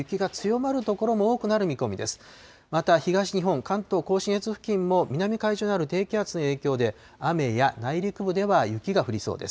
また東日本、関東甲信越付近も南海上にある低気圧の影響で、雨や内陸部では雪が降りそうです。